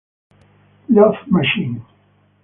Love Machine